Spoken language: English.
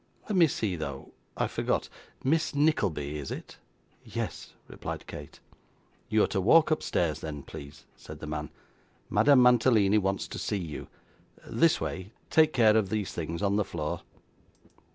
'Let me see, though, I forgot Miss Nickleby, is it?' 'Yes,' replied Kate. 'You're to walk upstairs then, please,' said the man. 'Madame Mantalini wants to see you this way take care of these things on the floor.